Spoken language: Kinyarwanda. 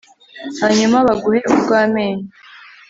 hanyuma baguhe urw'amenyo